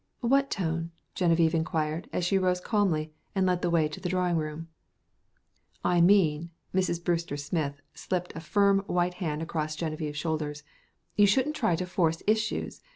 "What tone?" Genevieve inquired as she rose calmly and led the way to the drawing room. "I mean" Mrs. Brewster Smith slipped a firm, white hand across Genevieve's shoulders "you shouldn't try to force issues.